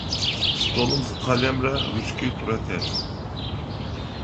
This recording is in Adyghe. Столым зы къэлэмрэ ручкитӏурэ телъ.